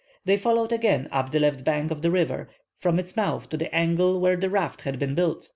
They followed again up the left bank of the river, from its mouth to the angle where the raft had been built.